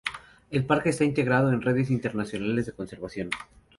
El Parque está integrado en redes internacionales de conservación.